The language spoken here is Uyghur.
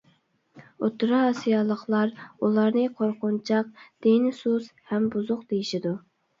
ئوتتۇرا ئاسىيالىقلار ئۇلارنى قورقۇنچاق، دىنى سۇس، ھەم بۇزۇق دېيىشىدۇ.